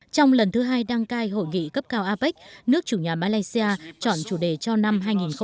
trong lần thứ hai đăng cai hội nghị cấp cao apec nước chủ nhà malaysia chọn chủ đề cho năm hai nghìn hai mươi